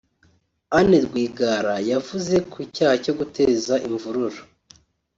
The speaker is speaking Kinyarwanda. Anne Rwigara yavuze ku cyaha cyo guteza imvururu